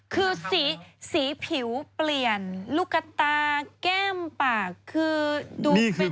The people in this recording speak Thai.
คือสีสีผิวเปลี่ยนลูกตาแก้มปากคือ